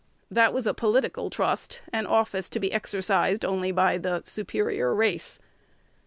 That was a political trust, an office to be exercised only by the superior race.